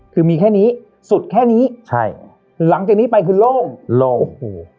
คือมีแค่นี้สุดแค่นี้ใช่หลังจากนี้ไปคือโล่งโล่งโอ้โห